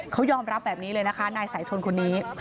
เขายอมรับแบบนี้เลยนะคะนายสายชนคนนี้